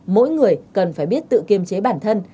mỗi người cần phải biết tự kiềm chế bản thân